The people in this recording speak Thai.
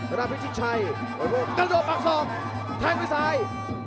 ทุนับพิชิชัยกำลังกระโดปจะสอบทหังไปซ้าย